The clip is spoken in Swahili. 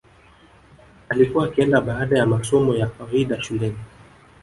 Alikuwa akienda baada ya masomo ya kawaida shuleni